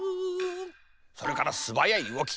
それからすばやいうごき。